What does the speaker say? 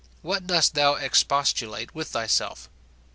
what dost thou expostulate with thyself?